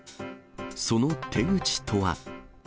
その手口とは。